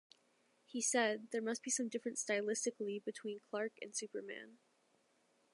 He said, there must be some difference stylistically between Clark and Superman.